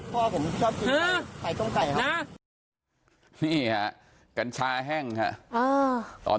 ตำรวจต้องไล่ตามกว่าจะรองรับเหตุได้